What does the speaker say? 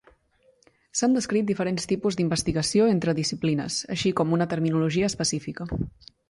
S'han descrit diferents tipus d'investigació entre disciplines, així com una terminologia específica.